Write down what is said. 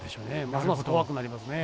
ますます怖くなりますね。